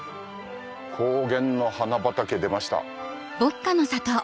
高原の花畑出ました。